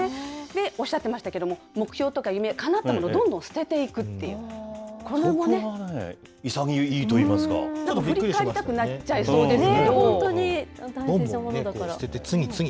おっしゃってましたけど、目標とか夢、かなったものは、どんどんそこが潔いといいますか、ち振り返りたくなっちゃいそう本当に、大切なものだから。